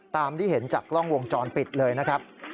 ตามที่เห็นจากกล้องวงจรปิดเลยนะครับ